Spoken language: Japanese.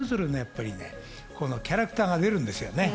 それぞれキャラクターが出るんですよね。